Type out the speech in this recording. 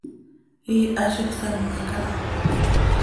Iiha z iij sama caha.